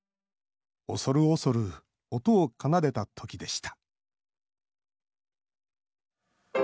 恐る恐る音を奏でたときでした